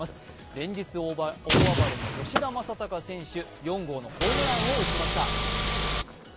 連日大暴れの吉田正尚選手、４号のホームランを打ちました。